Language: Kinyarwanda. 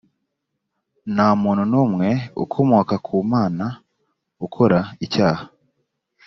nta muntu n umwe ukomoka kumanta ukora icyaha